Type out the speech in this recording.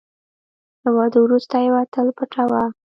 له واده وروسته یوه تل پټوه .